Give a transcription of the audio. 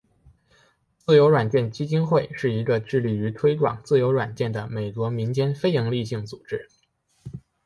自由软件基金会是一个致力于推广自由软件的美国民间非营利性组织。